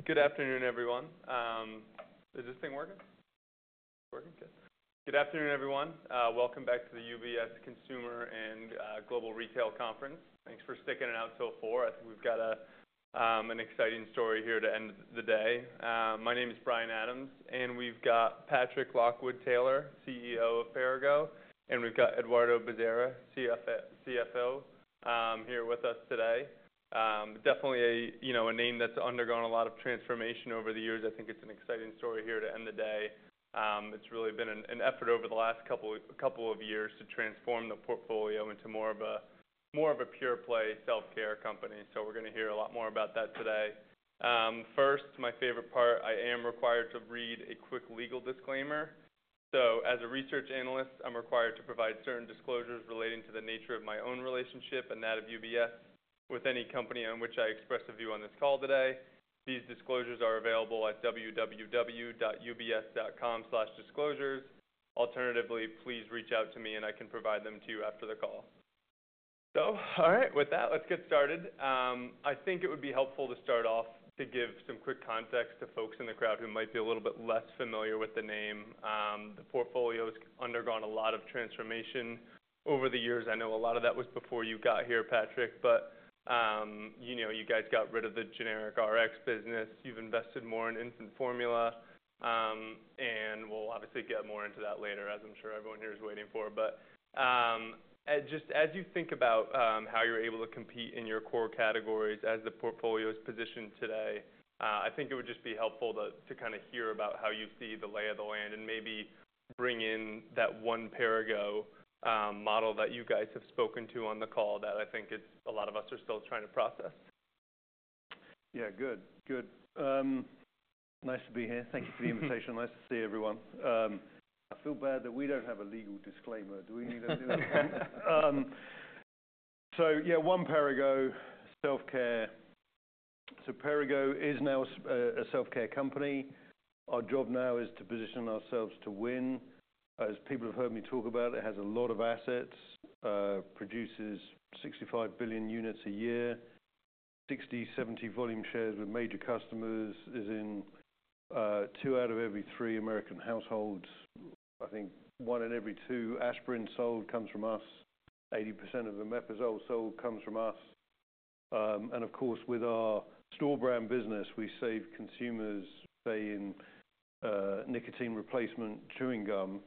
All right, well, good afternoon, everyone. Is this thing working? It's working? Good. Good afternoon, everyone. Welcome back to the UBS Consumer and Global Retail Conference. Thanks for sticking it out till 4:00 P.M. I think we've got a, an exciting story here to end the day. My name is Bryan Adams, and we've got Patrick Lockwood-Taylor, CEO of Perrigo, and we've got Eduardo Bezerra, CFO, here with us today. Definitely a, you know, a name that's undergone a lot of transformation over the years. I think it's an exciting story here to end the day. It's really been an, an effort over the last couple, couple of years to transform the portfolio into more of a, more of a pure-play self-care company. So we're gonna hear a lot more about that today. First, my favorite part: I am required to read a quick legal disclaimer. So as a research analyst, I'm required to provide certain disclosures relating to the nature of my own relationship and that of UBS with any company on which I express a view on this call today. These disclosures are available at www.ubs.com/disclosures. Alternatively, please reach out to me, and I can provide them to you after the call. So all right, with that, let's get started. I think it would be helpful to start off to give some quick context to folks in the crowd who might be a little bit less familiar with the name. The portfolio's undergone a lot of transformation over the years. I know a lot of that was before you got here, Patrick, but, you know, you guys got rid of the generic Rx business. You've invested more in infant formula. We'll obviously get more into that later, as I'm sure everyone here is waiting for. But, just as you think about, how you're able to compete in your core categories as the portfolio's positioned today, I think it would just be helpful to, to kinda hear about how you see the lay of the land and maybe bring in that One Perrigo, model that you guys have spoken to on the call that I think it's a lot of us are still trying to process. Yeah, good. Good. Nice to be here. Thank you for the invitation. Nice to see everyone. I feel bad that we don't have a legal disclaimer. Do we need a legal? So yeah, one, Perrigo self-care. So Perrigo is now a, a self-care company. Our job now is to position ourselves to win. As people have heard me talk about, it has a lot of assets, produces 65 billion units a year, 60%-70% volume shares with major customers, is in two out of every three American households. I think one in every two aspirin sold comes from us. Eighty percent of omeprazole sold comes from us. And of course, with our store brand business, we save consumers, say, in nicotine replacement chewing gum,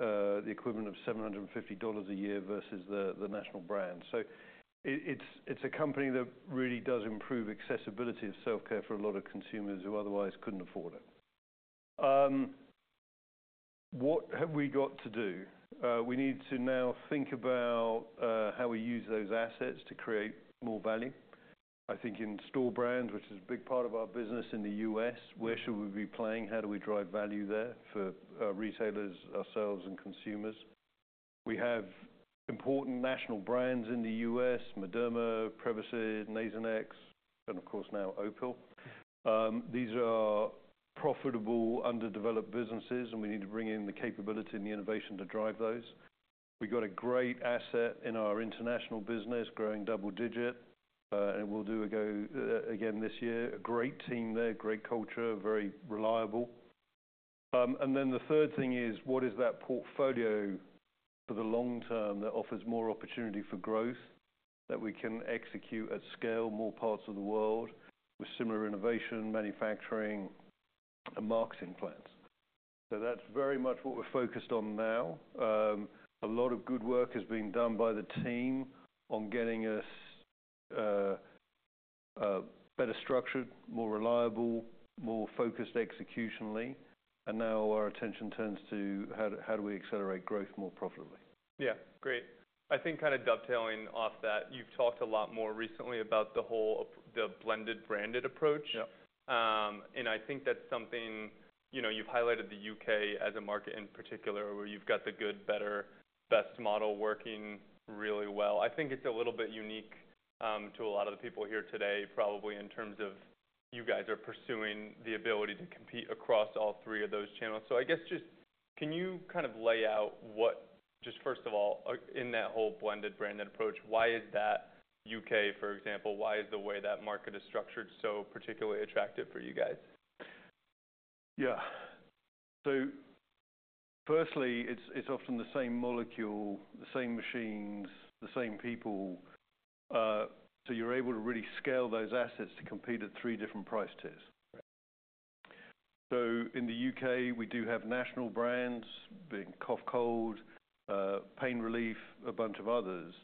the equivalent of $750 a year versus the national brand. So it's a company that really does improve accessibility of self-care for a lot of consumers who otherwise couldn't afford it. What have we got to do? We need to now think about how we use those assets to create more value. I think in store brands, which is a big part of our business in the U.S., where should we be playing? How do we drive value there for retailers, ourselves, and consumers? We have important national brands in the U.S.: Mederma, Prevacid, Nasonex, and of course, now Opill. These are profitable, underdeveloped businesses, and we need to bring in the capability and the innovation to drive those. We got a great asset in our international business, growing double-digit, and we'll do it again this year. A great team there, great culture, very reliable. And then the third thing is, what is that portfolio for the long term that offers more opportunity for growth, that we can execute at scale, more parts of the world, with similar innovation, manufacturing, and marketing plans? So that's very much what we're focused on now. A lot of good work has been done by the team on getting us better structured, more reliable, more focused executionally. And now our attention turns to how do we accelerate growth more profitably? Yeah, great. I think kinda dovetailing off that, you've talked a lot more recently about the whole, the blended-branded approach. Yep. I think that's something, you know, you've highlighted the U.K. as a market in particular where you've got the good, better, best model working really well. I think it's a little bit unique, to a lot of the people here today, probably, in terms of you guys are pursuing the ability to compete across all three of those channels. So I guess just can you kind of lay out what just first of all, in that whole blended-branded approach, why is that U.K., for example, why is the way that market is structured so particularly attractive for you guys? Yeah. So firstly, it's often the same molecule, the same machines, the same people. So you're able to really scale those assets to compete at three different price tiers. So in the U.K., we do have national brands, being cough cold, pain relief, a bunch of others.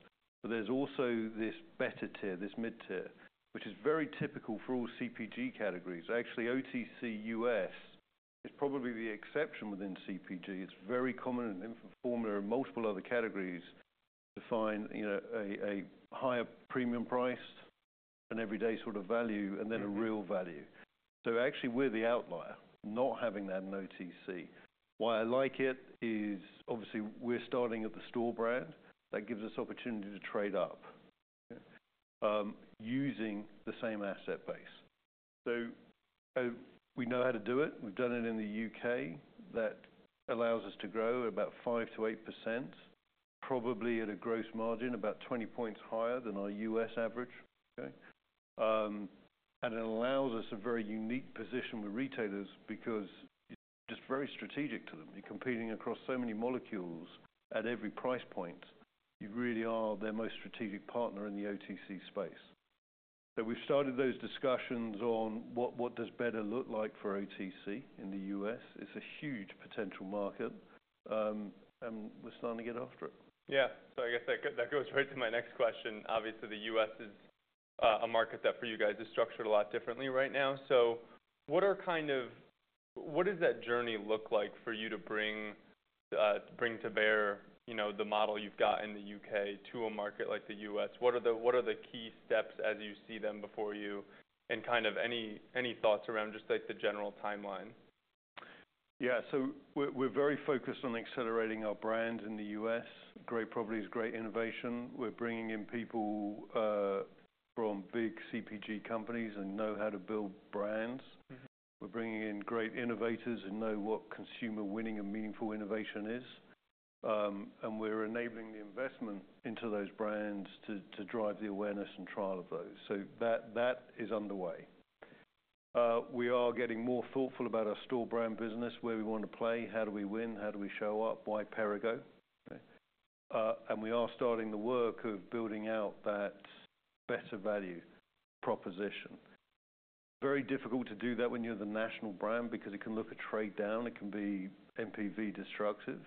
But there's also this better tier, this mid-tier, which is very typical for all CPG categories. Actually, OTC U.S. is probably the exception within CPG. It's very common in infant formula and multiple other categories to find, you know, a higher premium price and everyday sort of value and then a real value. So actually, we're the outlier, not having that in OTC. Why I like it is, obviously, we're starting at the store brand. That gives us opportunity to trade up, using the same asset base. So, we know how to do it. We've done it in the U.K. That allows us to grow at about 5%-8%, probably at a gross margin about 20 points higher than our U.S. average. Okay? It allows us a very unique position with retailers because it's just very strategic to them. You're competing across so many molecules at every price point. You really are their most strategic partner in the OTC space. So we've started those discussions on what, what does better look like for OTC in the U.S. It's a huge potential market. We're starting to get after it. Yeah. So I guess that goes right to my next question. Obviously, the U.S. is a market that for you guys is structured a lot differently right now. So what kind of does that journey look like for you to bring to bear, you know, the model you've got in the U.K. to a market like the U.S.? What are the key steps as you see them before you? And kind of any thoughts around just, like, the general timeline? Yeah. So we're very focused on accelerating our brand in the U.S. Great properties, great innovation. We're bringing in people from big CPG companies and know how to build brands. We're bringing in great innovators and know what consumer-winning and meaningful innovation is. And we're enabling the investment into those brands to drive the awareness and trial of those. So that is underway. We are getting more thoughtful about our store brand business, where we wanna play, how do we win, how do we show up, why Perrigo. Okay? And we are starting the work of building out that better value proposition. Very difficult to do that when you're the national brand because it can look a trade down. It can be NPV destructive.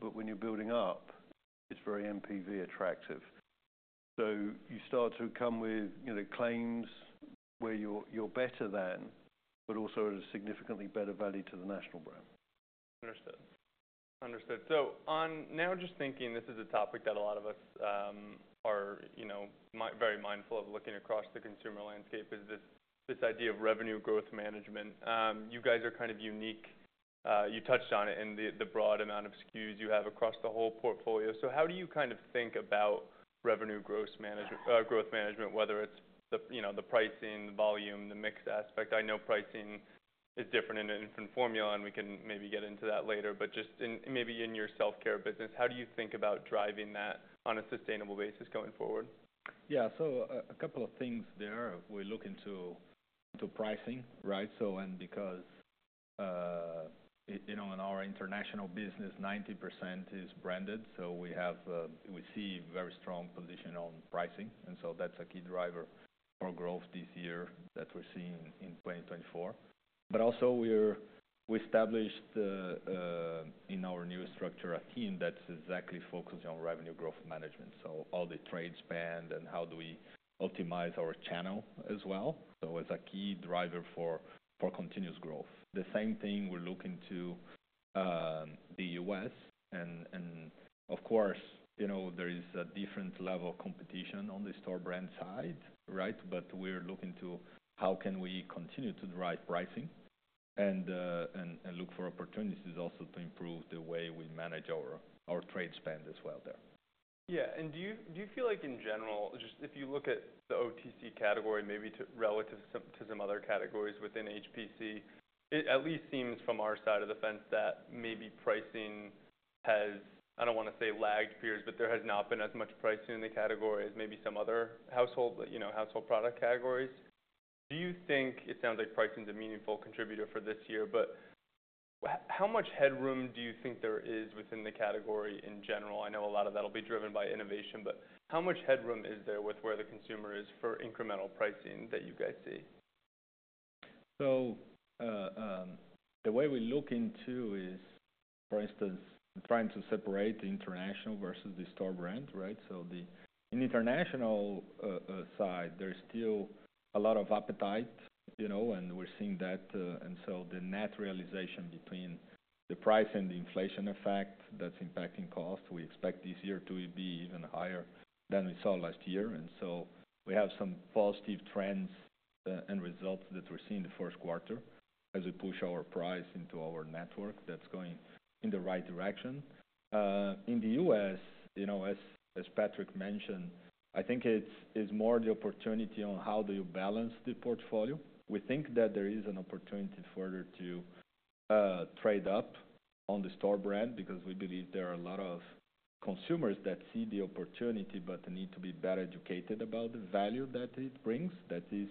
But when you're building up, it's very NPV attractive. You start to come with, you know, claims where you're better than but also at a significantly better value to the national brand. Understood. Understood. So, now just thinking, this is a topic that a lot of us are, you know, I'm very mindful of looking across the consumer landscape, is this idea of revenue growth management. You guys are kind of unique. You touched on it in the broad amount of SKUs you have across the whole portfolio. So how do you kind of think about revenue growth management, growth management, whether it's the, you know, the pricing, the volume, the mix aspect? I know pricing is different in infant formula, and we can maybe get into that later. But just, maybe, in your self-care business, how do you think about driving that on a sustainable basis going forward? Yeah. So a couple of things there. We look into pricing, right? So because, you know, in our international business, 90% is branded. So we have; we see very strong position on pricing. And so that's a key driver for growth this year that we're seeing in 2024. But also, we established, in our new structure a team that's exactly focused on revenue growth management. So all the trade spend and how do we optimize our channel as well. So it's a key driver for continuous growth. The same thing, we're looking to the U.S. And of course, you know, there is a different level of competition on the store brand side, right? But we're looking to how can we continue to drive pricing and look for opportunities also to improve the way we manage our trade spend as well there. Yeah. Do you feel like, in general, just if you look at the OTC category, maybe relative to some other categories within HPC, it at least seems from our side of the fence that maybe pricing has—I don't wanna say lagged peers—but there has not been as much pricing in the category as maybe some other household, you know, household product categories? Do you think it sounds like pricing's a meaningful contributor for this year, but how much headroom do you think there is within the category in general? I know a lot of that'll be driven by innovation, but how much headroom is there with where the consumer is for incremental pricing that you guys see? So, the way we look into is, for instance, trying to separate the international versus the store brand, right? So the international side, there's still a lot of appetite, you know, and we're seeing that, and so the net realization between the price and the inflation effect that's impacting cost, we expect this year to be even higher than we saw last year. And so we have some positive trends, and results that we're seeing the first quarter as we push our price into our network that's going in the right direction. In the U.S., you know, as, as Patrick mentioned, I think it's, it's more the opportunity on how do you balance the portfolio. We think that there is an opportunity further to trade up on the store brand because we believe there are a lot of consumers that see the opportunity but need to be better educated about the value that it brings. That is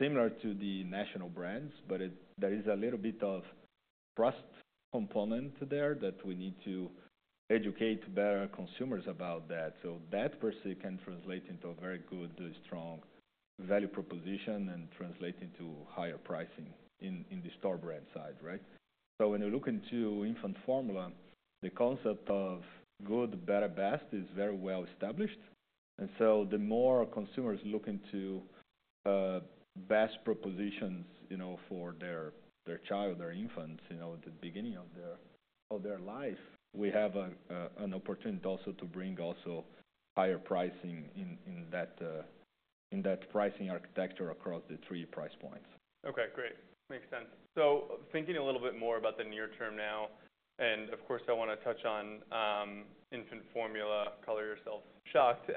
similar to the national brands, but there is a little bit of trust component there that we need to educate better consumers about that. So that per se can translate into a very good, strong value proposition and translate into higher pricing in the store brand side, right? So when you look into infant formula, the concept of good, better, best is very well established. So the more consumers look into best propositions, you know, for their child, their infants, you know, at the beginning of their life, we have an opportunity also to bring higher pricing in that pricing architecture across the three price points. Okay. Great. Makes sense. So thinking a little bit more about the near term now, and of course, I wanna touch on infant formula, color yourself shocked.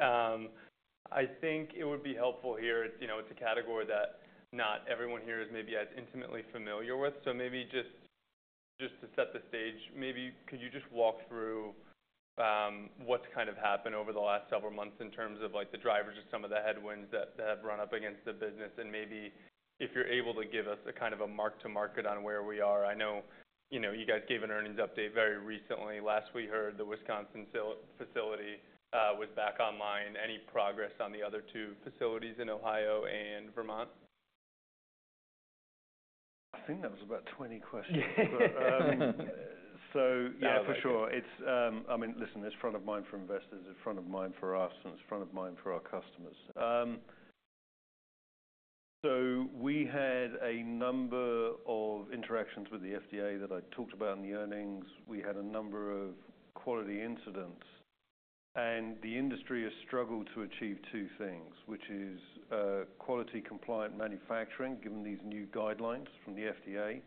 I think it would be helpful here, you know, it's a category that not everyone here is maybe as intimately familiar with. So maybe just to set the stage, maybe could you just walk through what's kind of happened over the last several months in terms of, like, the drivers of some of the headwinds that have run up against the business? And maybe if you're able to give us a kind of a mark-to-market on where we are. I know, you know, you guys gave an earnings update very recently. Last we heard, the Wisconsin facility was back online. Any progress on the other two facilities in Ohio and Vermont? I think that was about 20 questions. So yeah, for sure. It's, I mean, listen, it's front of mind for investors. It's front of mind for us, and it's front of mind for our customers. So we had a number of interactions with the FDA that I talked about in the earnings. We had a number of quality incidents. And the industry has struggled to achieve two things, which is quality-compliant manufacturing given these new guidelines from the FDA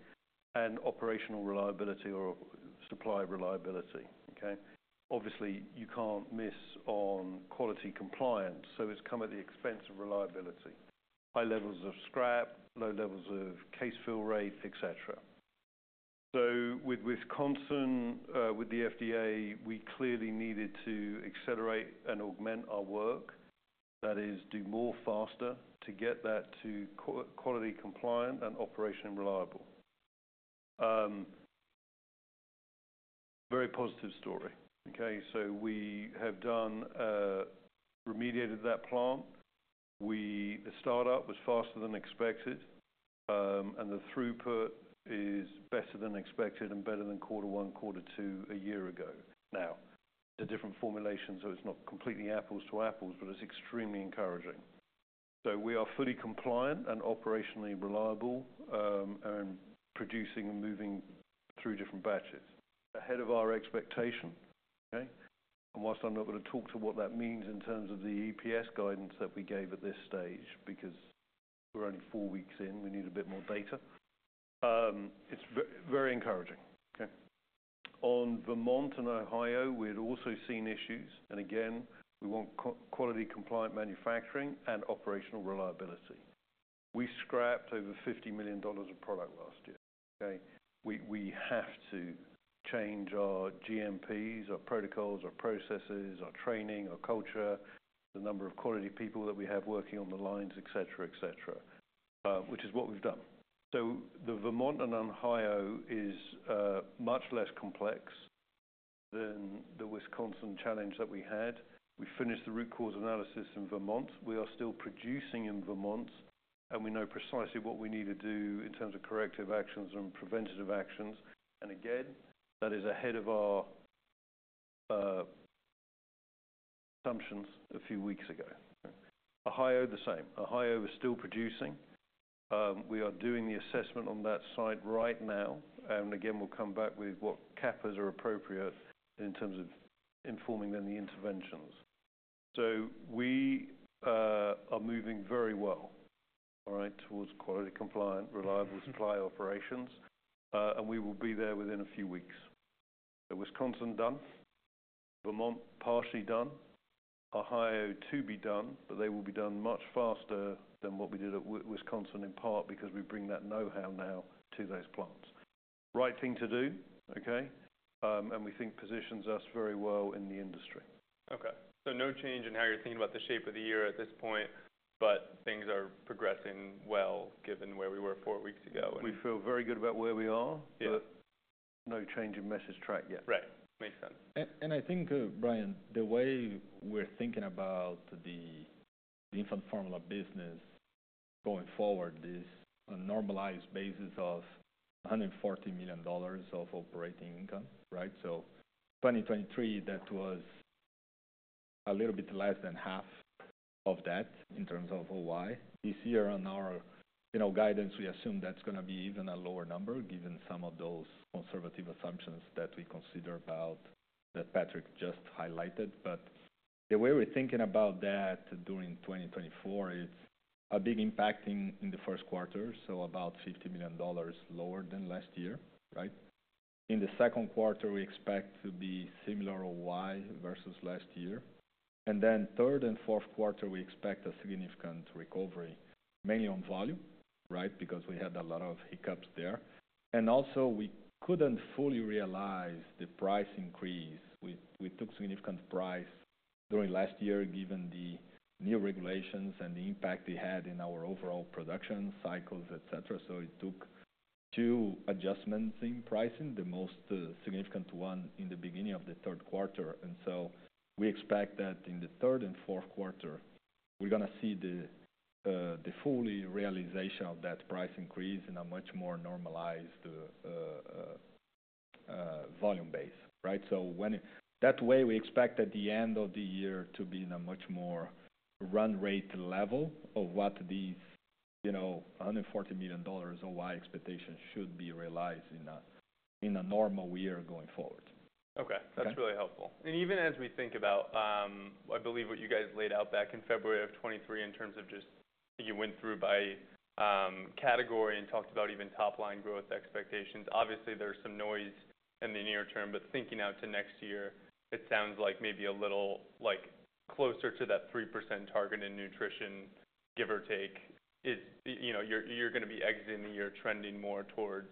and operational reliability or supply reliability. Okay? Obviously, you can't miss on quality compliance. So it's come at the expense of reliability: high levels of scrap, low levels of case fill rate, etc. So with Wisconsin, with the FDA, we clearly needed to accelerate and augment our work. That is, do more faster to get that to quality compliant and operationally reliable. Very positive story. Okay? So we have remediated that plant. Well, the startup was faster than expected, and the throughput is better than expected and better than quarter one, quarter two a year ago. Now, it's a different formulation, so it's not completely apples to apples, but it's extremely encouraging. So we are fully compliant and operationally reliable, and producing and moving through different batches ahead of our expectation. Okay? And while I'm not gonna talk to what that means in terms of the EPS guidance that we gave at this stage because we're only four weeks in, we need a bit more data, it's very encouraging. Okay? On Vermont and Ohio, we had also seen issues. And again, we want quality compliant manufacturing and operational reliability. We scrapped over $50 million of product last year. Okay? We, we have to change our GMPs, our protocols, our processes, our training, our culture, the number of quality people that we have working on the lines, etc., etc., which is what we've done. So the Vermont and Ohio is, much less complex than the Wisconsin challenge that we had. We finished the root cause analysis in Vermont. We are still producing in Vermont. And we know precisely what we need to do in terms of corrective actions and preventative actions. And again, that is ahead of our, assumptions a few weeks ago. Ohio, the same. Ohio is still producing. We are doing the assessment on that site right now. And again, we'll come back with what CAPAs are appropriate in terms of informing them the interventions. So we, are moving very well, all right, towards quality-compliant, reliable supply operations. And we will be there within a few weeks. So Wisconsin done. Vermont partially done. Ohio to be done, but they will be done much faster than what we did at Wisconsin in part because we bring that know-how now to those plants. Right thing to do. Okay? And we think positions us very well in the industry. Okay. No change in how you're thinking about the shape of the year at this point, but things are progressing well given where we were four weeks ago. We feel very good about where we are, but no change in message track yet. Right. Makes sense. And I think, Bryan, the way we're thinking about the infant formula business going forward is a normalized basis of $140 million of operating income, right? So 2023, that was a little bit less than half of that in terms of OI. This year, on our, you know, guidance, we assume that's gonna be even a lower number given some of those conservative assumptions that we consider about that Patrick just highlighted. But the way we're thinking about that during 2024, it's a big impact in the first quarter, so about $50 million lower than last year, right? In the second quarter, we expect to be similar OI versus last year. And then third and fourth quarter, we expect a significant recovery, mainly on volume, right, because we had a lot of hiccups there. And also, we couldn't fully realize the price increase. We took significant price during last year given the new regulations and the impact it had in our overall production cycles, etc. So it took two adjustments in pricing, the most significant one in the beginning of the third quarter. So we expect that in the third and fourth quarter, we're gonna see the full realization of that price increase in a much more normalized volume base, right? So in that way, we expect at the end of the year to be in a much more run rate level of what these, you know, $140 million OI expectations should be realized in a normal year going forward. Okay. That's really helpful. And even as we think about, I believe what you guys laid out back in February of 2023 in terms of just you went through by, category and talked about even top-line growth expectations. Obviously, there's some noise in the near term, but thinking out to next year, it sounds like maybe a little, like, closer to that 3% target in nutrition, give or take, is you know, you're, you're gonna be exiting the year trending more towards,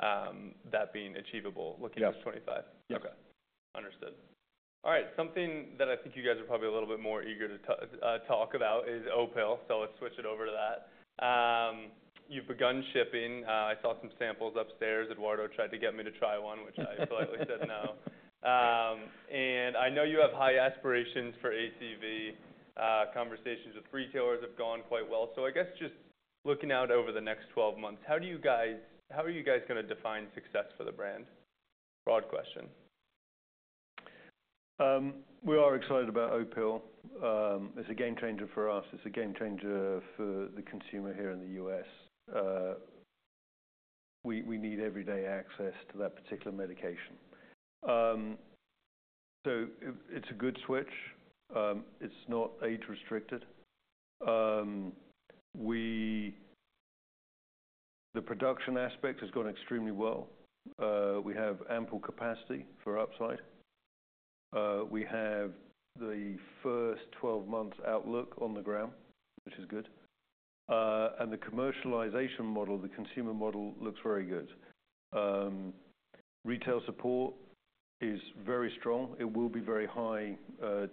that being achievable looking into 2025. Yep. Yep. Okay. Understood. All right. Something that I think you guys are probably a little bit more eager to talk about is Opill. So let's switch it over to that. You've begun shipping. I saw some samples upstairs. Eduardo tried to get me to try one, which I politely said no. And I know you have high aspirations for ACV. Conversations with retailers have gone quite well. So I guess just looking out over the next 12 months, how do you guys how are you guys gonna define success for the brand? Broad question. We are excited about Opill. It's a game changer for us. It's a game changer for the consumer here in the U.S. We need everyday access to that particular medication. So it's a good switch. It's not age-restricted. The production aspect has gone extremely well. We have ample capacity for upside. We have the first 12 months outlook on the ground, which is good. And the commercialization model, the consumer model looks very good. Retail support is very strong. It will be very high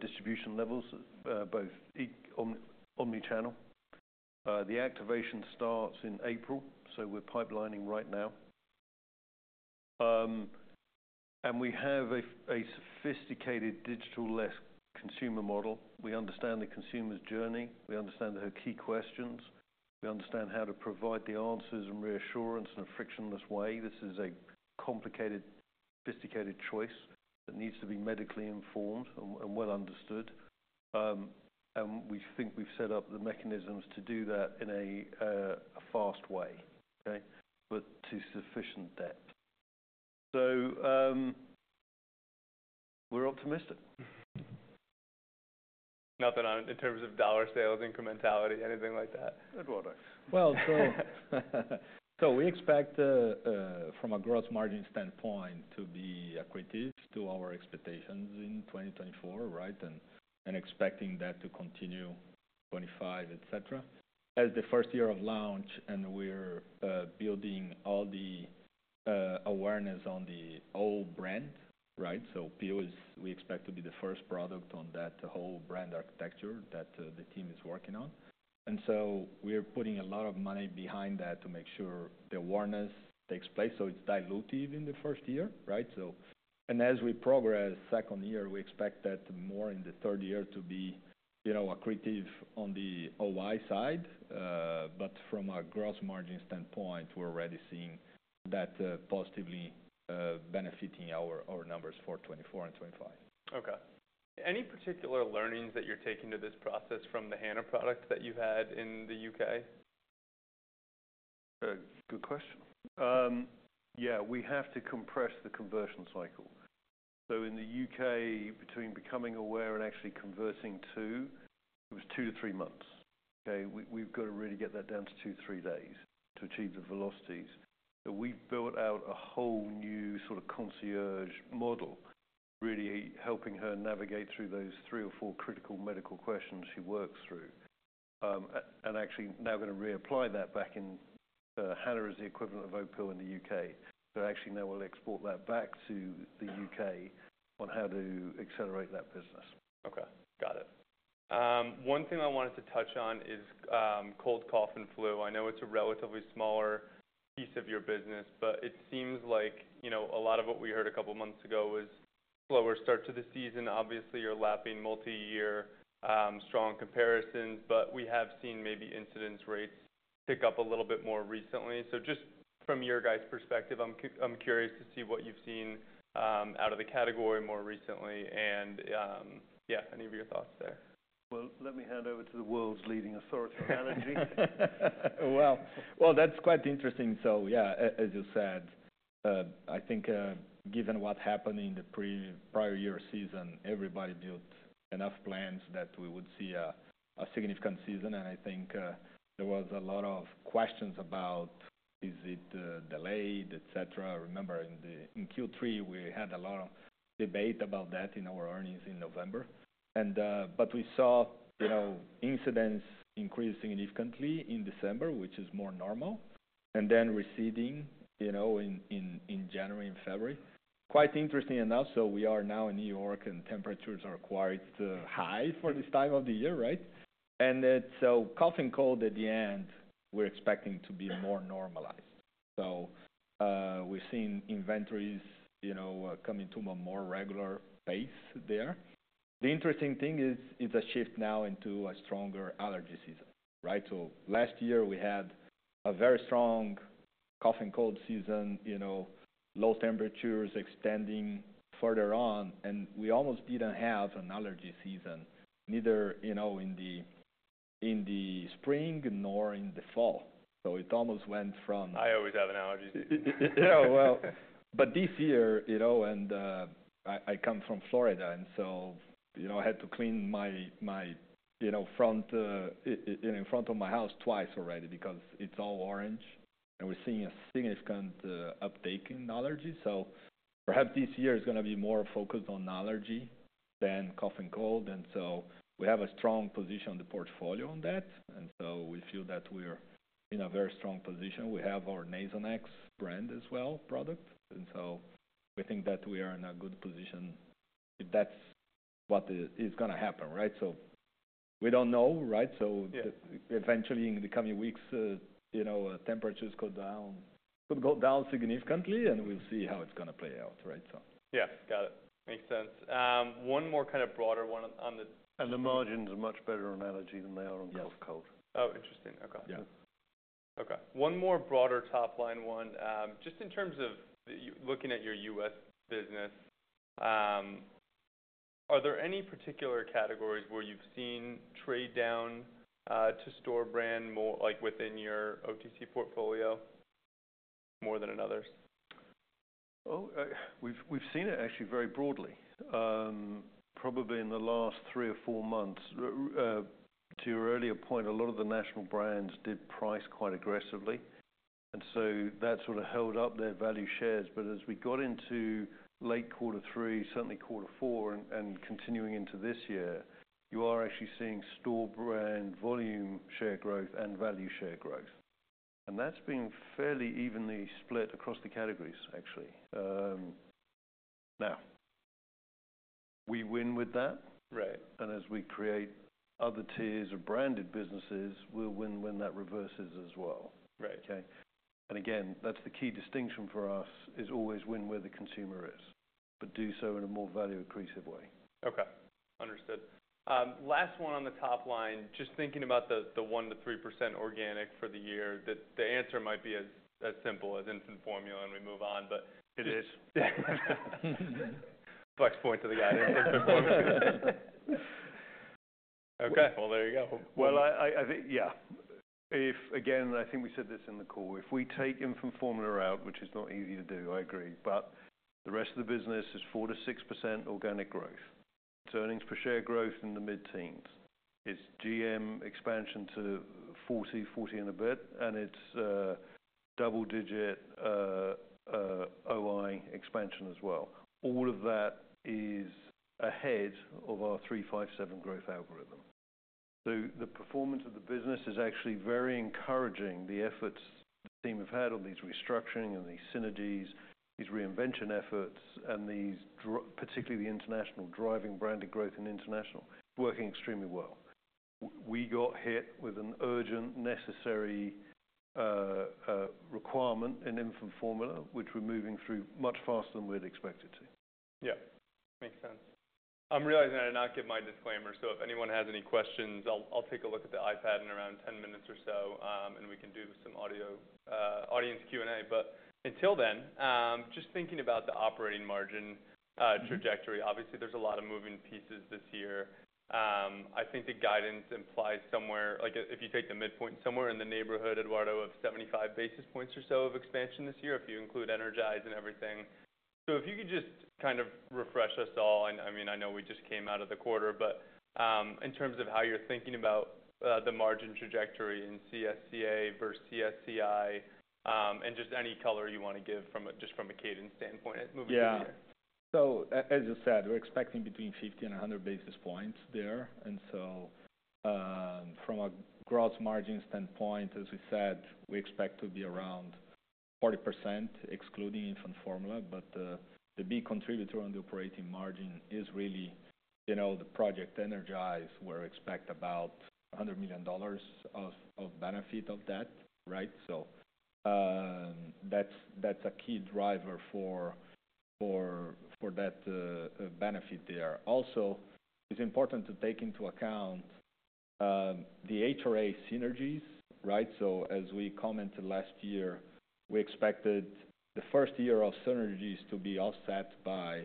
distribution levels, both e-comm, omni-channel. The activation starts in April, so we're pipelining right now. And we have a sophisticated digital-first consumer model. We understand the consumer's journey. We understand her key questions. We understand how to provide the answers with reassurance and a frictionless way. This is a complicated, sophisticated choice that needs to be medically informed and well understood. We think we've set up the mechanisms to do that in a fast way, okay, but to sufficient depth. So, we're optimistic. Nothing on in terms of dollar sales, incrementality, anything like that. Eduardo. Well, so we expect, from a gross margin standpoint, to be equivalent to our expectations in 2024, right, and expecting that to continue 2025, etc. As the first year of launch, and we're building all the awareness on the whole brand, right, so Opill is we expect to be the first product on that whole brand architecture that the team is working on. And so we're putting a lot of money behind that to make sure the awareness takes place. So it's diluted in the first year, right? So and as we progress second year, we expect that more in the third year to be, you know, equivalent on the OI side. But from a gross margin standpoint, we're already seeing that positively benefiting our numbers for 2024 and 2025. Okay. Any particular learnings that you're taking to this process from the Hana product that you had in the U.K.? Good question. Yeah, we have to compress the conversion cycle. So in the U.K., between becoming aware and actually converting to, it was two to three months. Okay? We, we've gotta really get that down to two to three days to achieve the velocities. So we've built out a whole new sort of concierge model, really helping her navigate through those three or four critical medical questions she works through. And actually now gonna reapply that back in, Hana is the equivalent of Opill in the U.K. So actually now we'll export that back to the U.K. on how to accelerate that business. Okay. Got it. One thing I wanted to touch on is cold, cough, and flu. I know it's a relatively smaller piece of your business, but it seems like, you know, a lot of what we heard a couple months ago was a slower start to the season, obviously, or lapping multi-year, strong comparisons. But we have seen maybe incidence rates pick up a little bit more recently. So just from your guys' perspective, I'm curious to see what you've seen out of the category more recently. And yeah, any of your thoughts there? Well, let me hand over to the world's leading authority on allergy. Well, well, that's quite interesting. So yeah, as you said, I think, given what happened in the prior year season, everybody built enough plans that we would see a significant season. And I think, there was a lot of questions about is it delayed, etc. Remember, in Q3, we had a lot of debate about that in our earnings in November. And, but we saw, you know, incidence increase significantly in December, which is more normal, and then receding, you know, in January, in February. Quite interesting enough, so we are now in New York, and temperatures are quite high for this time of the year, right? And so cough and cold at the end, we're expecting to be more normalized. So, we've seen inventories, you know, coming to a more regular pace there. The interesting thing is, it's a shift now into a stronger allergy season, right? So last year, we had a very strong cough and cold season, you know, low temperatures extending further on. We almost didn't have an allergy season, neither, you know, in the spring nor in the fall. It almost went from. I always have an allergy season. Yeah. Well, but this year, you know, and, I come from Florida, and so, you know, I had to clean my, my, you know, front, in front of my house twice already because it's all orange. And we're seeing a significant uptake in allergy. So perhaps this year is gonna be more focused on allergy than cough and cold. And so we have a strong position on the portfolio on that. And so we feel that we're in a very strong position. We have our Nasonex brand as well, product. And so we think that we are in a good position if that's what is gonna happen, right? So we don't know, right? So eventually in the coming weeks, you know, temperatures could go down significantly, and we'll see how it's gonna play out, right? So. Yeah. Got it. Makes sense. One more kind of broader one on the. The margins are much better on allergy than they are on cough and cold. Yes. Oh, interesting. Okay. Yeah. Okay. One more broader top-line one. Just in terms of you looking at your U.S. business, are there any particular categories where you've seen trade down to store brand more, like, within your OTC portfolio more than in others? Oh, we've seen it actually very broadly, probably in the last three or four months. To your earlier point, a lot of the national brands did price quite aggressively. And so that sort of held up their value shares. But as we got into late quarter three, certainly quarter four, and continuing into this year, you are actually seeing store brand volume share growth and value share growth. And that's been fairly evenly split across the categories, actually. Now, we win with that. Right. As we create other tiers of branded businesses, we'll win when that reverses as well. Right. Okay? And again, that's the key distinction for us is always win where the consumer is, but do so in a more value-accretive way. Okay. Understood. Last one on the top line, just thinking about the 1%-3% organic for the year, that the answer might be as simple as infant formula, and we move on, but it is. Flex point to the guy. Infant formula. Okay. Well, there you go. Well, I think yeah. If again, I think we said this in the call. If we take infant formula out, which is not easy to do, I agree, but the rest of the business is 4%-6% organic growth. Earnings per share growth in the mid-teens. It's GM expansion to 40, 40 and a bit. And it's double-digit OI expansion as well. All of that is ahead of our 3/5/7 growth algorithm. So the performance of the business is actually very encouraging. The efforts the team have had on these restructuring and these synergies, these reinvention efforts, and these particularly the international driving branded growth in international, working extremely well. We got hit with an urgent, necessary, requirement in infant formula, which we're moving through much faster than we'd expected to. Yeah. Makes sense. I'm realizing I did not give my disclaimer. So if anyone has any questions, I'll, I'll take a look at the iPad in around 10 minutes or so, and we can do some audio, audience Q&A. But until then, just thinking about the operating margin trajectory, obviously, there's a lot of moving pieces this year. I think the guidance implies somewhere like, if you take the midpoint, somewhere in the neighborhood, Eduardo, of 75 basis points or so of expansion this year, if you include Energize and everything. So if you could just kind of refresh us all. And I mean, I know we just came out of the quarter, but, in terms of how you're thinking about, the margin trajectory in CSCA versus CSCI, and just any color you wanna give from a just from a cadence standpoint moving into the year. Yeah. So as you said, we're expecting between 50 basis points-100 basis points there. And so, from a gross margin standpoint, as we said, we expect to be around 40% excluding infant formula. But, the big contributor on the operating margin is really, you know, the Project Energize, where we expect about $100 million of benefit of that, right? So, that's a key driver for that benefit there. Also, it's important to take into account the HRA synergies, right? So as we commented last year, we expected the first year of synergies to be offset by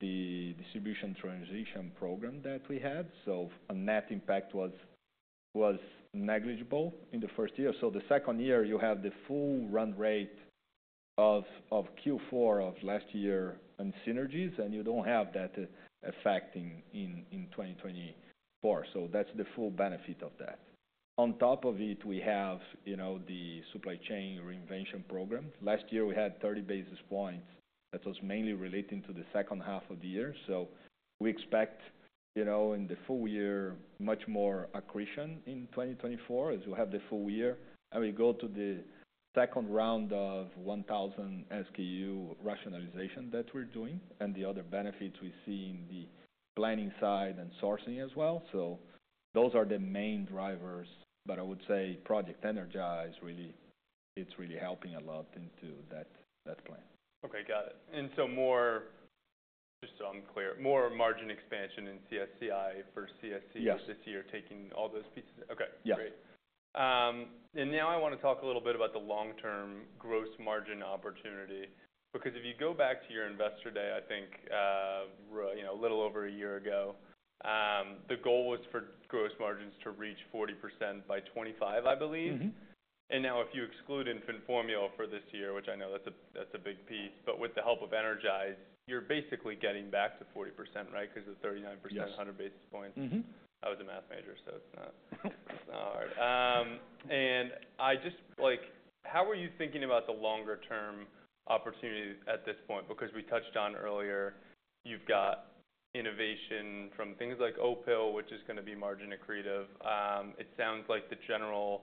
the distribution transition program that we had. So a net impact was negligible in the first year. So the second year, you have the full run rate of Q4 of last year in synergies, and you don't have that effect in 2024. So that's the full benefit of that. On top of it, we have, you know, the supply chain reinvention program. Last year, we had 30 basis points. That was mainly relating to the second half of the year. So we expect, you know, in the full year, much more accretion in 2024 as we'll have the full year. And we go to the second round of 1,000 SKU rationalization that we're doing and the other benefits we see in the planning side and sourcing as well. So those are the main drivers. But I would say Project Energize, really, it's really helping a lot into that, that plan. Okay. Got it. And so more just so I'm clear, more margin expansion in CSCI versus CSCA this year, taking all those pieces. Okay. Great. Yes. And now I wanna talk a little bit about the long-term gross margin opportunity because if you go back to your Investor Day, I think, you know, a little over a year ago, the goal was for gross margins to reach 40% by 2025, I believe. And now if you exclude infant formula for this year, which I know that's a that's a big piece, but with the help of Energize, you're basically getting back to 40%, right, 'cause of 39%. Yes. A hundred basis points. Mm-hmm. I was a math major, so it's not it's not hard. And I just like, how are you thinking about the longer-term opportunity at this point? Because we touched on earlier, you've got innovation from things like Opill, which is gonna be margin accretive. It sounds like the general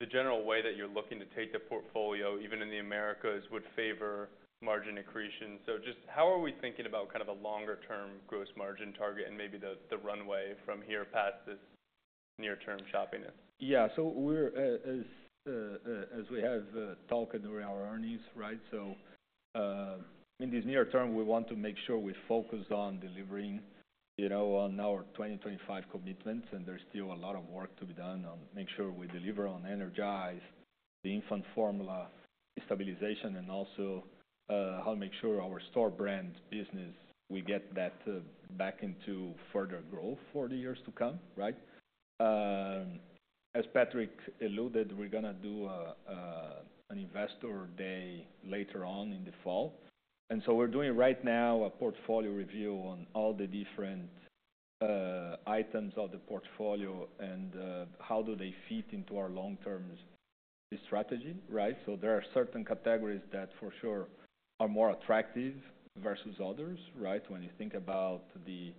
the general way that you're looking to take the portfolio, even in the Americas, would favor margin accretion. So just how are we thinking about kind of a longer-term gross margin target and maybe the, the runway from here past this near-term choppiness? Yeah. So as we have talked during our earnings, right? So, in this near term, we want to make sure we focus on delivering, you know, on our 2025 commitments. And there's still a lot of work to be done to make sure we deliver on Energize, the infant formula stabilization, and also, how to make sure our store brand business, we get that, back into further growth for the years to come, right? As Patrick alluded, we're gonna do an Investor Day later on in the fall. And so we're doing right now a portfolio review on all the different items of the portfolio and how do they fit into our long-term strategy, right? So there are certain categories that for sure are more attractive versus others, right, when you think about the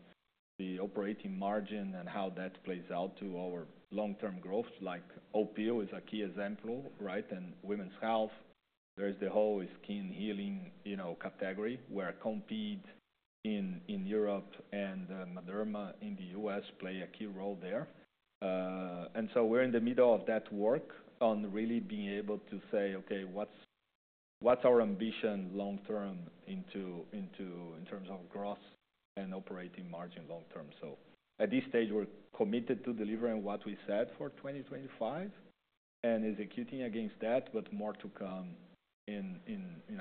operating margin and how that plays out to our long-term growth. Like Opill is a key example, right? And women's health, there is the whole skin healing, you know, category where Compeed in Europe and Mederma in the U.S. play a key role there. And so we're in the middle of that work on really being able to say, okay, what's our ambition long-term into in terms of gross and operating margin long-term? So at this stage, we're committed to delivering what we said for 2025 and executing against that, but more to come in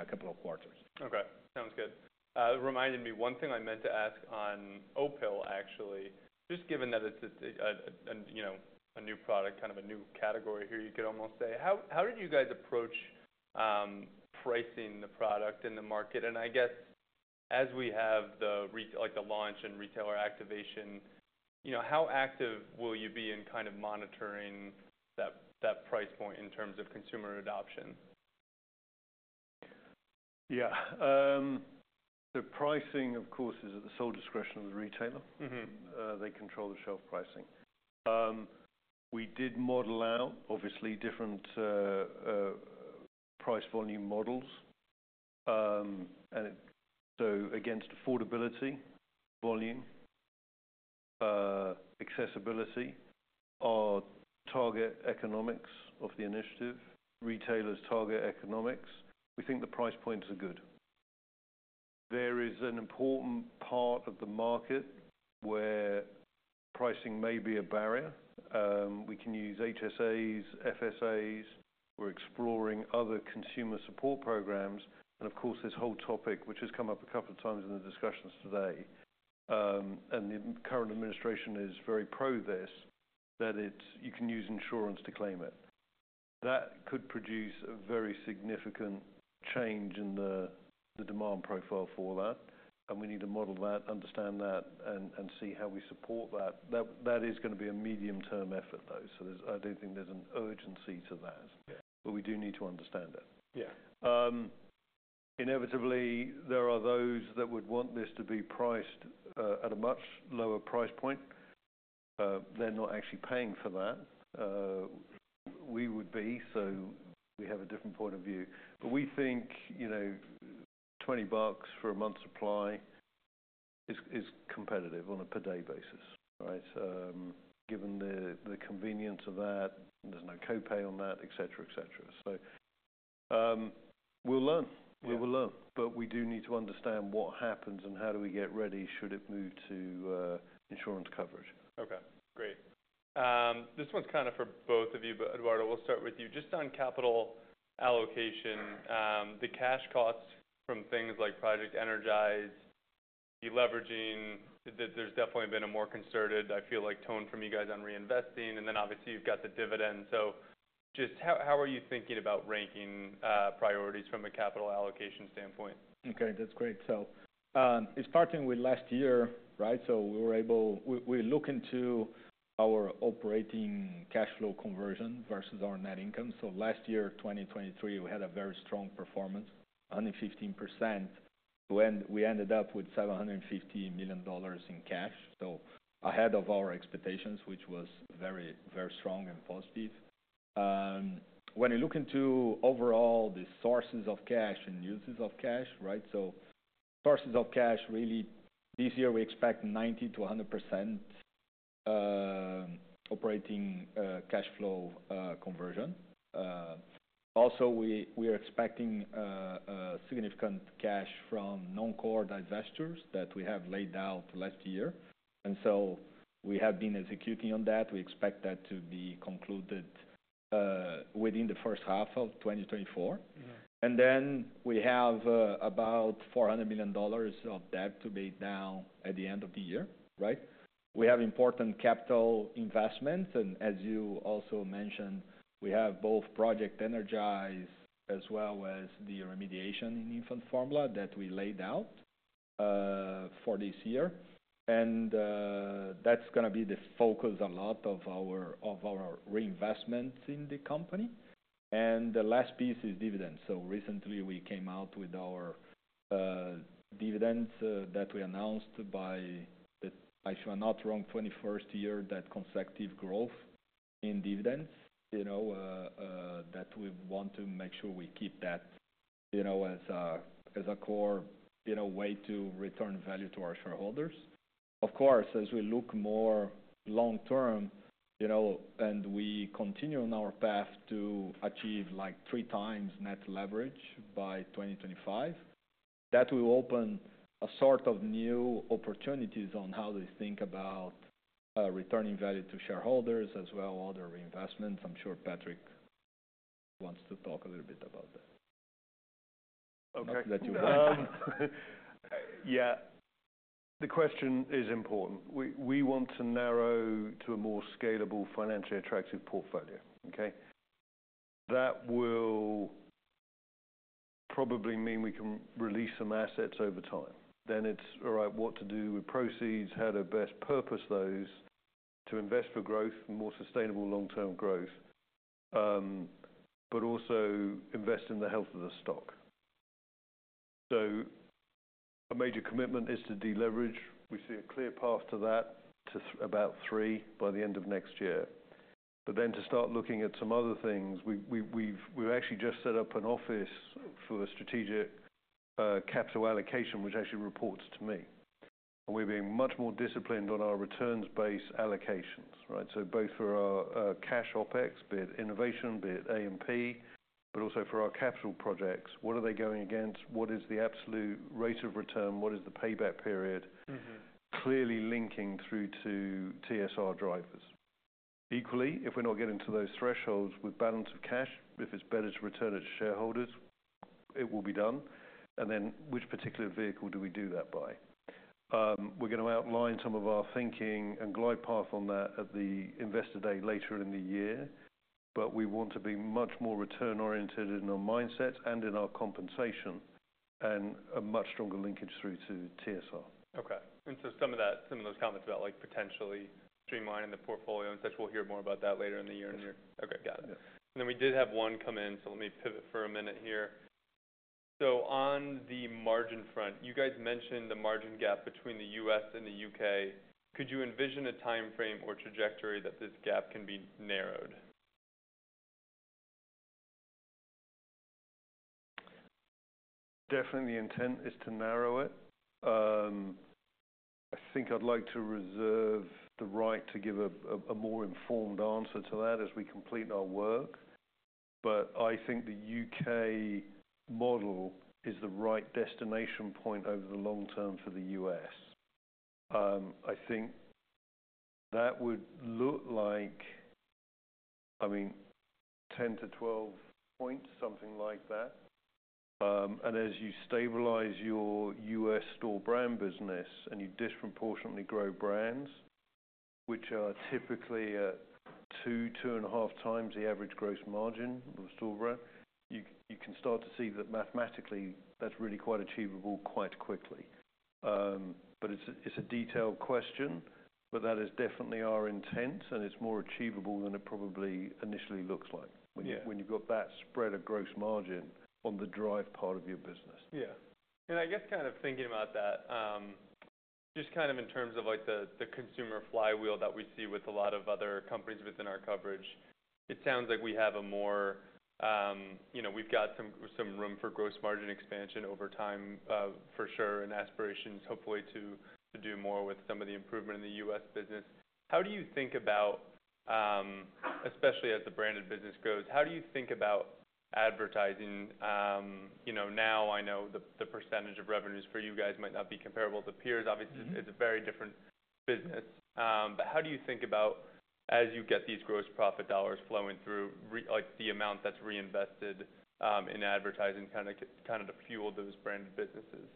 a couple of quarters. Okay. Sounds good. Reminded me, one thing I meant to ask on Opill, actually, just given that it's a, you know, a new product, kind of a new category here, you could almost say, how did you guys approach pricing the product in the market? And I guess as we have the retail like, the launch and retailer activation, you know, how active will you be in kind of monitoring that price point in terms of consumer adoption? Yeah. The pricing, of course, is at the sole discretion of the retailer. Mm-hmm. They control the shelf pricing. We did model out, obviously, different price volume models. And it so against affordability, volume, accessibility, our target economics of the initiative, retailers' target economics, we think the price points are good. There is an important part of the market where pricing may be a barrier. We can use HSAs, FSAs. We're exploring other consumer support programs. And of course, this whole topic, which has come up a couple of times in the discussions today, and the current administration is very pro this, that it's you can use insurance to claim it. That could produce a very significant change in the demand profile for that. And we need to model that, understand that, and see how we support that. That is gonna be a medium-term effort, though. So there's I don't think there's an urgency to that. But we do need to understand it. Yeah. Inevitably, there are those that would want this to be priced at a much lower price point. They're not actually paying for that. We would be, so we have a different point of view. But we think, you know, $20 for a month supply is competitive on a per-day basis, right? Given the convenience of that, there's no copay on that, etc., etc. So, we'll learn. We will learn. But we do need to understand what happens and how do we get ready should it move to insurance coverage. Okay. Great. This one's kind of for both of you, but Eduardo, we'll start with you. Just on capital allocation, the cash costs from things like Project Energize, the leveraging, that there's definitely been a more concerted, I feel like, tone from you guys on reinvesting. And then obviously, you've got the dividend. So just how, how are you thinking about ranking priorities from a capital allocation standpoint? Okay. That's great. So, it's starting with last year, right? So we look into our operating cash flow conversion versus our net income. So last year, 2023, we had a very strong performance, 115%. We ended up with $750 million in cash, so ahead of our expectations, which was very, very strong and positive. When you look into overall the sources of cash and uses of cash, right, so sources of cash, really, this year, we expect 90%-100% operating cash flow conversion. Also, we are expecting significant cash from non-core divestitures that we have laid out last year. And so we have been executing on that. We expect that to be concluded within the first half of 2024. And then we have about $400 million of debt to be down at the end of the year, right? We have important capital investments. As you also mentioned, we have both Project Energize as well as the remediation in infant formula that we laid out for this year. That's gonna be the focus of a lot of our reinvestments in the company. The last piece is dividends. So recently, we came out with our dividends that we announced, the 21st year, if I'm not wrong, of consecutive growth in dividends, you know, that we want to make sure we keep that, you know, as a core way to return value to our shareholders. Of course, as we look more long-term, you know, and we continue on our path to achieve, like, three times net leverage by 2025, that will open a sort of new opportunities on how they think about returning value to shareholders as well as other reinvestments. I'm sure Patrick wants to talk a little bit about that. Okay. Not that you want. Yeah. The question is important. We want to narrow to a more scalable, financially attractive portfolio, okay? That will probably mean we can release some assets over time. Then it's all right, what to do with proceeds, how to best purpose those to invest for growth, more sustainable long-term growth, but also invest in the health of the stock. So a major commitment is to deleverage. We see a clear path to that to about three by the end of next year. But then to start looking at some other things, we've actually just set up an office for strategic capital allocation, which actually reports to me. And we're being much more disciplined on our returns-based allocations, right? So both for our cash OpEx, be it innovation, be it A&P, but also for our capital projects, what are they going against? What is the absolute rate of return? What is the payback period? Mm-hmm. Clearly linking through to TSR drivers. Equally, if we're not getting to those thresholds with balance of cash, if it's better to return it to shareholders, it will be done. And then which particular vehicle do we do that by? We're gonna outline some of our thinking and glide path on that at the Investor Day later in the year. But we want to be much more return-oriented in our mindsets and in our compensation and a much stronger linkage through to TSR. Okay. And so some of those comments about, like, potentially streamlining the portfolio and such, we'll hear more about that later in the year. Okay. Got it. Then we did have one come in, so let me pivot for a minute here. On the margin front, you guys mentioned the margin gap between the U.S. and the U.K. Could you envision a timeframe or trajectory that this gap can be narrowed? Definitely, the intent is to narrow it. I think I'd like to reserve the right to give a more informed answer to that as we complete our work. But I think the U.K. model is the right destination point over the long term for the U.S. I think that would look like, I mean, 10-12 points, something like that. As you stabilize your U.S. store brand business and you disproportionately grow brands, which are typically at 2x-2.5x the average gross margin of a store brand, you can start to see that mathematically, that's really quite achievable quite quickly. It's a detailed question. But that is definitely our intent, and it's more achievable than it probably initially looks like when you've got that spread of gross margin on the drive part of your business. Yeah. And I guess kind of thinking about that, just kind of in terms of, like, the, the consumer flywheel that we see with a lot of other companies within our coverage, it sounds like we have a more, you know, we've got some, some room for gross margin expansion over time, for sure, and aspirations, hopefully, to, to do more with some of the improvement in the U.S. business. How do you think about, especially as the branded business grows, how do you think about advertising? You know, now I know the, the percentage of revenues for you guys might not be comparable to peers. Obviously, it's a very different business. But how do you think about as you get these gross profit dollars flowing through, really like, the amount that's reinvested, in advertising kinda kinda to fuel those branded businesses?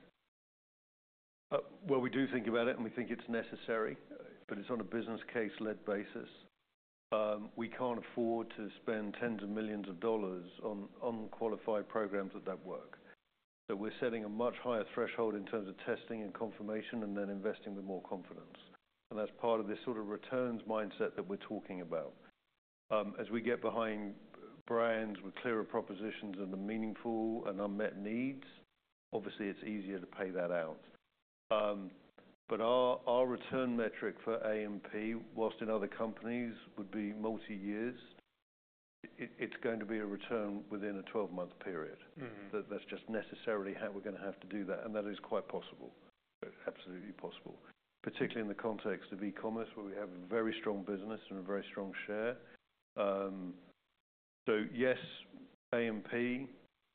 Well, we do think about it, and we think it's necessary, but it's on a business case-led basis. We can't afford to spend tens of millions of dollars on unqualified programs that don't work. So, we're setting a much higher threshold in terms of testing and confirmation and then investing with more confidence. And that's part of this sort of returns mindset that we're talking about. As we get behind brands with clearer propositions and the meaningful and unmet needs, obviously, it's easier to pay that out. But our return metric for A&P, while in other companies would be multi-years, it's going to be a return within a 12-month period. Mm-hmm. That's just necessarily how we're gonna have to do that. And that is quite possible, absolutely possible, particularly in the context of e-commerce where we have a very strong business and a very strong share. So yes, A&P,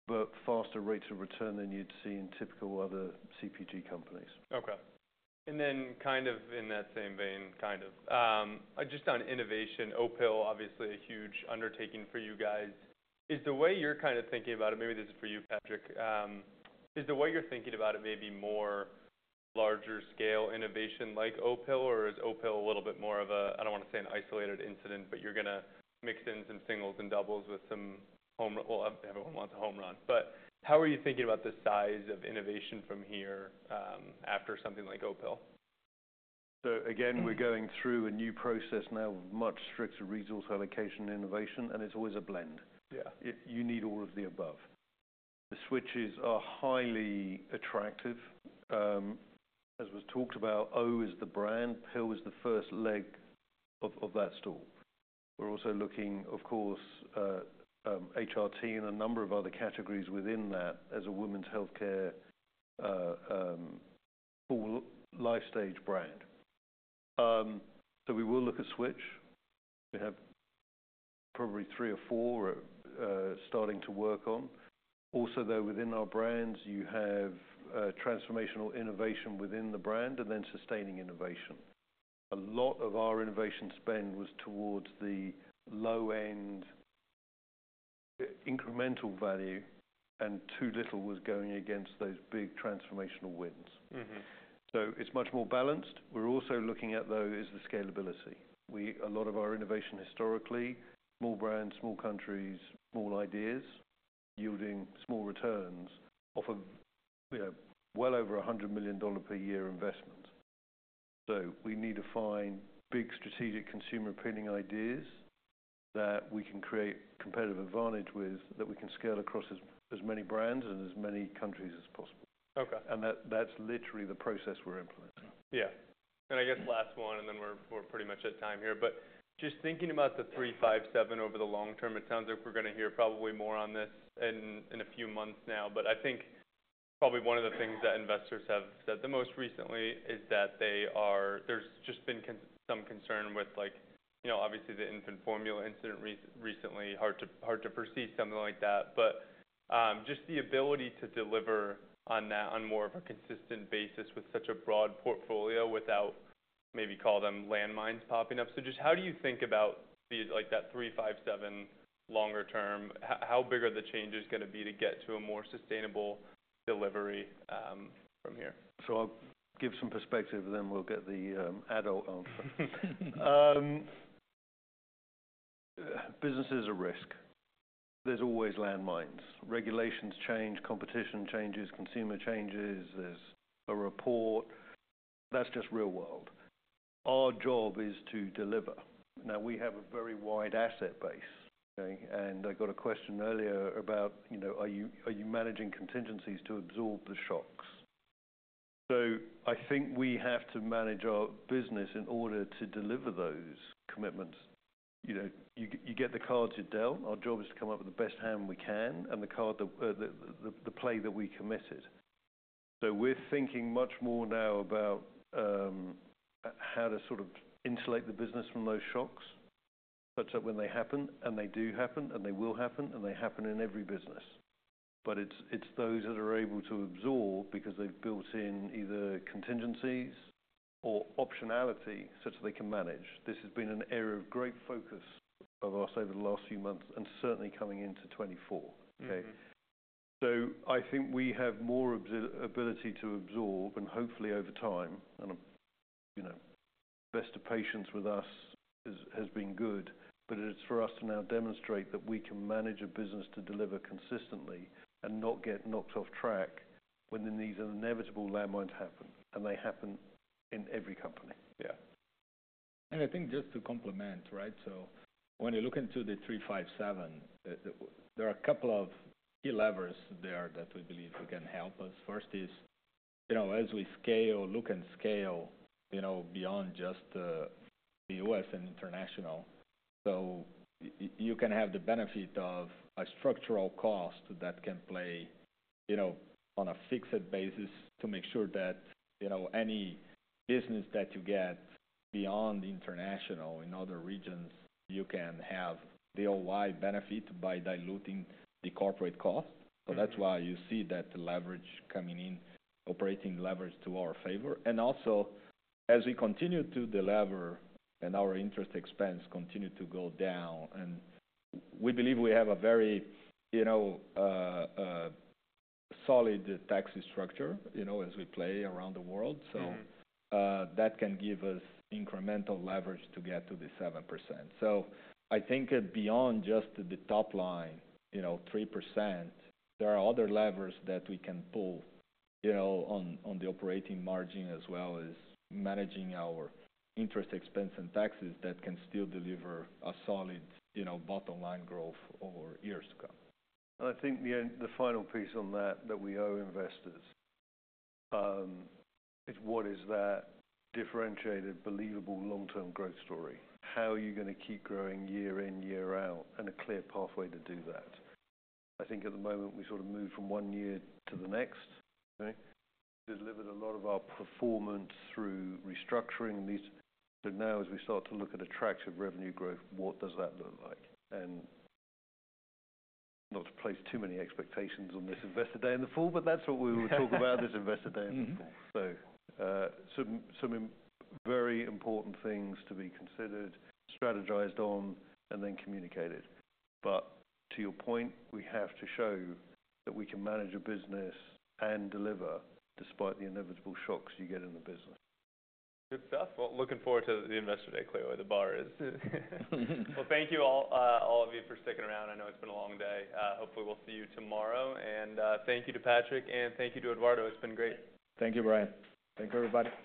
but faster rates of return than you'd see in typical other CPG companies. Okay. And then kind of in that same vein, kind of, just on innovation, Opill, obviously, a huge undertaking for you guys. Is the way you're kinda thinking about it maybe this is for you, Patrick. Is the way you're thinking about it maybe more larger-scale innovation like Opill, or is Opill a little bit more of a I don't wanna say an isolated incident, but you're gonna mix in some singles and doubles with some home well, everyone wants a home run. But how are you thinking about the size of innovation from here, after something like Opill? So again, we're going through a new process now of much stricter resource allocation innovation, and it's always a blend. Yeah. You need all of the above. The switches are highly attractive. As was talked about, O is the brand. Pill is the first leg of that store. We're also looking, of course, HRT and a number of other categories within that as a women's healthcare, full life-stage brand. So we will look at switch. We have probably three or four, starting to work on. Also, though, within our brands, you have, transformational innovation within the brand and then sustaining innovation. A lot of our innovation spend was towards the low-end incremental value, and too little was going against those big transformational wins. Mm-hmm. So it's much more balanced. We're also looking at, though, is the scalability. We a lot of our innovation historically, small brands, small countries, small ideas yielding small returns off of, you know, well over $100 million per year investments. So we need to find big strategic consumer-opinion ideas that we can create competitive advantage with, that we can scale across as many brands and as many countries as possible. Okay. That's literally the process we're implementing. Yeah. And I guess last one, and then we're pretty much at time here. But just thinking about the 3/5/7 over the long term, it sounds like we're gonna hear probably more on this in a few months now. But I think probably one of the things that investors have said the most recently is that there is just been some concern with, like, you know, obviously, the infant formula incident recently, hard to foresee something like that. But just the ability to deliver on that on more of a consistent basis with such a broad portfolio without maybe call them landmines popping up. So just how do you think about the, like, that 3/5/7 longer term? How big are the changes gonna be to get to a more sustainable delivery from here? So I'll give some perspective, and then we'll get the adult answer. Business is a risk. There's always landmines. Regulations change, competition changes, consumer changes. There's a report. That's just real world. Our job is to deliver. Now, we have a very wide asset base, okay? And I got a question earlier about, you know, are you managing contingencies to absorb the shocks? So I think we have to manage our business in order to deliver those commitments. You know, you get the cards you're dealt. Our job is to come up with the best hand we can and the play that we committed. So we're thinking much more now about how to sort of insulate the business from those shocks such that when they happen and they do happen and they will happen and they happen in every business. But it's those that are able to absorb because they've built in either contingencies or optionality such that they can manage. This has been an area of great focus of us over the last few months and certainly coming into 2024, okay? Mm-hmm. So I think we have more ability to absorb and hopefully, over time, you know, the best of patience with us has been good. But it's for us to now demonstrate that we can manage a business to deliver consistently and not get knocked off track when these inevitable landmines happen. And they happen in every company. Yeah. And I think just to complement, right, so when you look into the 3/5/7, there are a couple of key levers there that we believe can help us. First is, you know, as we scale, look and scale, you know, beyond just the U.S. and international. So you can have the benefit of a structural cost that can play, you know, on a fixed basis to make sure that, you know, any business that you get beyond international in other regions, you can have the OI benefit by diluting the corporate cost. So that's why you see that leverage coming in, operating leverage to our favor. And also, as we continue to deliver and our interest expense continue to go down, and we believe we have a very, you know, solid tax structure, you know, as we play around the world. So, that can give us incremental leverage to get to the 7%. So I think beyond just the top line, you know, 3%, there are other levers that we can pull, you know, on, on the operating margin as well as managing our interest expense and taxes that can still deliver a solid, you know, bottom line growth over years to come. I think in the end, the final piece on that that we owe investors is what is that differentiated, believable long-term growth story? How are you gonna keep growing year in, year out, and a clear pathway to do that? I think at the moment, we sort of moved from one year to the next, okay? Delivered a lot of our performance through restructuring these. So now, as we start to look at attractive revenue growth, what does that look like? And not to place too many expectations on this Investor Day in the fall, but that's what we would talk about this Investor Day in the fall. So, some, some very important things to be considered, strategized on, and then communicated. But to your point, we have to show that we can manage a business and deliver despite the inevitable shocks you get in the business. Good stuff. Well, looking forward to the Investor Day, clearly, the bar is. Well, thank you all, all of you, for sticking around. I know it's been a long day. Hopefully, we'll see you tomorrow. Thank you to Patrick, and thank you to Eduardo. It's been great. Thank you, Ryan. Thank everybody.